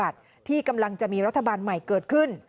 ที่กำลังจะมีรัฐบาลใหม่เกิดขึ้น